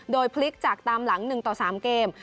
โดยพลิกจากตามหลัง๑ต่อ๓เกม